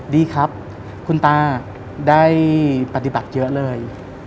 ดีครับคุณตาได้ปฏิบัติเยอะเลย